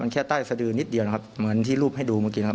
แค่ใต้สดือนิดเดียวนะครับเหมือนที่รูปให้ดูเมื่อกี้นะครับ